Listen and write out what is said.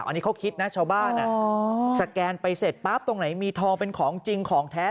อันนี้เขาคิดนะชาวบ้านสแกนไปเสร็จปั๊บตรงไหนมีทองเป็นของจริงของแท้